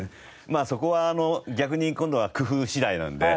まあそこは逆に今度は工夫次第なんで。